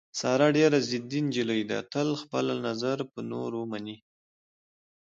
ساره ډېره ضدي نجیلۍ ده، تل خپل نظر په نورو مني.